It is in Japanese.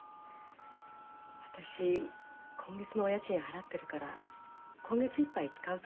私今月のお家賃払ってるから今月いっぱい使うつもりでいたんです。